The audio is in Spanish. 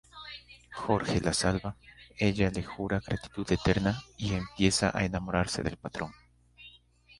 Jorge la salva, ella le jura gratitud eterna y empieza a enamorarse del patrón.